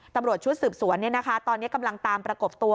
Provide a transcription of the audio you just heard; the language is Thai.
ตำรวจชุดสืบสวนตอนนี้กำลังตามประกบตัว